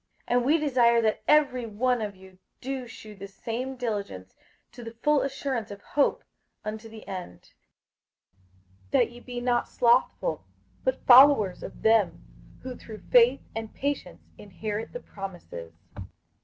58:006:011 And we desire that every one of you do shew the same diligence to the full assurance of hope unto the end: 58:006:012 That ye be not slothful, but followers of them who through faith and patience inherit the promises.